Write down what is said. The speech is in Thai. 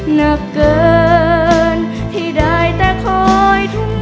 หนักเกินที่ได้แต่คอยทุ่ม